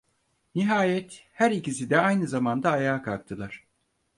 Nihayet her ikisi de aynı zamanda ayağa kalktılar.